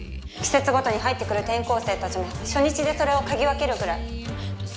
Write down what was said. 季節ごとに入ってくる転校生たちも初日でそれを嗅ぎ分けるくらい。